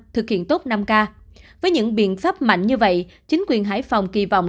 thực hiện tốt năm k với những biện pháp mạnh như vậy chính quyền hải phòng kỳ vọng